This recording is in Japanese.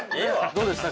◆どうでした？